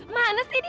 mana sih dia